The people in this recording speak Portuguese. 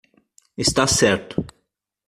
Está certo